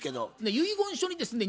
遺言書にですね